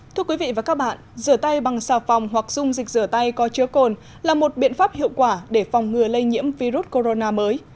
thưa quý vị và các bạn rửa tay bằng xà phòng hoặc dung dịch rửa tay có chứa cồn là một biện pháp hiệu quả để phòng ngừa lây nhiễm virus corona mới